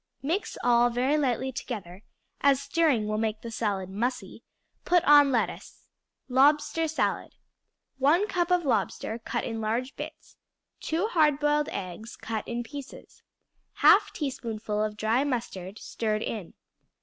Mix all very lightly together, as stirring will make the salad mussy; put on lettuce. Lobster Salad 1 cup of lobster, cut in large bits. 2 hard boiled eggs, cut in pieces. 1/2 teaspoonful of dry mustard, stirred in.